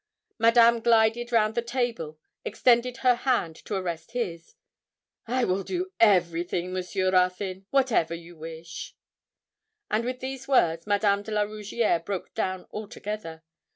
Madame glided round the table, extended her hand to arrest his. 'I will do everything, Monsieur Ruthyn whatever you wish.' And with these words Madame de la Rougierre broke down altogether.